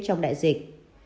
trong đại dịch